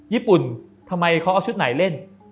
ญี่ปุ่นทำไมเขาเอาชุดไหนเล่น